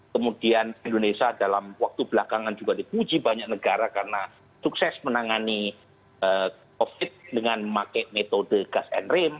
kemudian indonesia dalam waktu belakangan juga dipuji banyak negara karena sukses menangani covid dengan memakai metode gas and rem